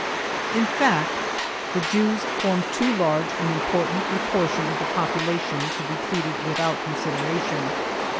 In fact, the Jews formed too large and important a portion of the population to be treated without consideration.